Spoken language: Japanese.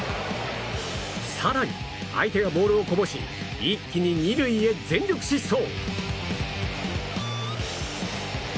更に相手がボールをこぼし一気に２塁へ全力疾走。